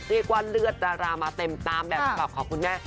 ด้วยกว่าเลือดราลามาเต็มตามแบบขอบคุณแม่